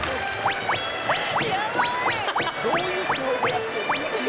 どういうつもりでやってんの？